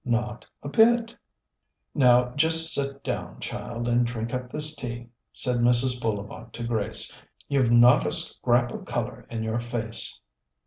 Not a bit." "Now, just sit down, child, and drink up this tea," said Mrs. Bullivant to Grace. "You've not a scrap of colour in your face."